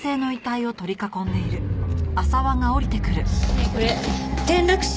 ねえこれ転落死？